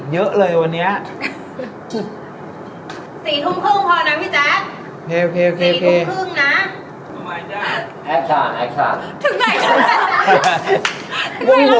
ถึงไหนถึงไหน